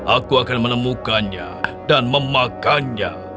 aku akan menemukannya dan memakannya